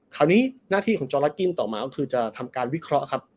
คราวนี้หน้าที่ของจอร์เลสกิฟต์ต่อมาคือจะทำการวิเคราะห์ครับ